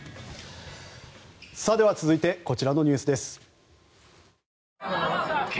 では続いてこちらのニュースです。